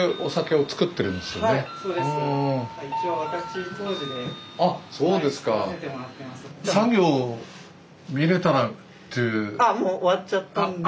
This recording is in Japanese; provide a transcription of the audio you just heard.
あもう終わっちゃったんで。